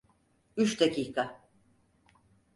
Üç dakika.